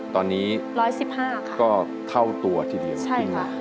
ตอนนี้ก็เท่าตัวที่เดียวคือ๑๑๕ค่ะใช่ค่ะ